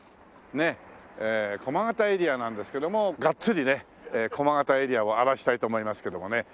えー駒形エリアなんですけどもがっつりね駒形エリアを荒らしたいと思いますけどもね。